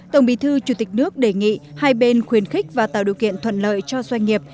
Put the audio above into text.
tổng bí thư chủ tịch nước đề nghị hai bên khuyến khích và tạo điều kiện thuận lợi cho doanh nghiệp